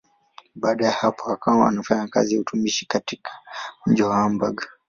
Baada ya hapo akawa anafanya kazi ya utumishi katika mji wa Hamburg.